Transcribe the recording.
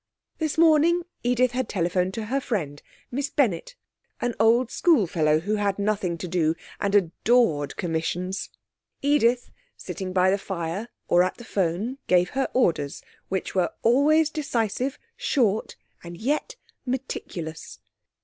This morning Edith had telephoned to her friend, Miss Bennett, an old schoolfellow who had nothing to do, and adored commissions. Edith, sitting by the fire or at the 'phone, gave her orders, which were always decisive, short and yet meticulous.